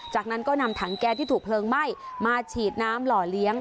จากนั้นก็นำถังแก๊สที่ถูกเพลิงไหม้มาฉีดน้ำหล่อเลี้ยง